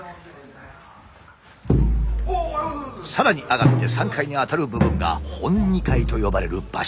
更に上がって３階にあたる部分が本二階と呼ばれる場所。